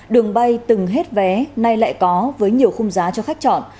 đường bay từng hết vé nay lại có với nhiều khung giá cho khách chọn